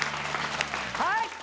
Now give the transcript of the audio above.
はい！